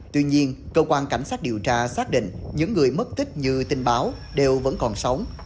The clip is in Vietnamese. tuy nhiên cơ quan cảnh sát điều tra xác định những người mất tích như tin báo đều vẫn còn sống